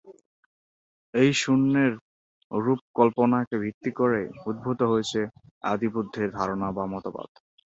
এ শূন্যের রূপকল্পনাকে ভিত্তি করেই উদ্ভূত হয়েছে আদিবুদ্ধের ধারণা বা মতবাদ।